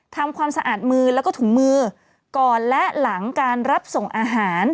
ทำความสะอาดมือแล้วก็ถุงมือก่อนและหลังการรับส่งอาหาร